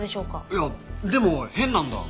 いやでも変なんだ。